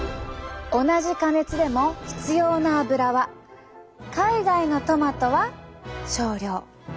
同じ加熱でも必要な油は海外のトマトは少量。